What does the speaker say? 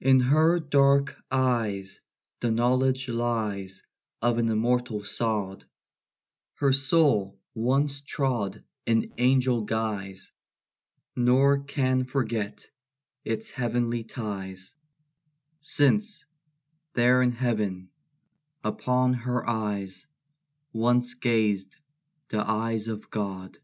In her dark eyes the knowledge lies Of an immortal sod, Her soul once trod in angel guise, Nor can forget its heavenly ties, Since, there in Heaven, upon her eyes Once gazed the eyes of God.